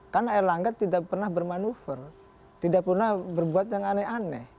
karena erlangga tidak pernah bermanuver tidak pernah berbuat yang aneh aneh